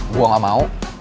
gue gak mau